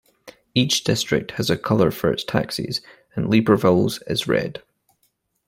Each district has a colour for its taxis and Libreville's is red.